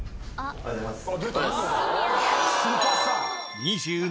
おはようございます。